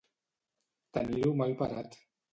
Tenir-ho mal parat.